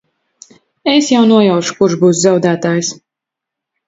Es jau nojaušu, kurš būs zaudētājs.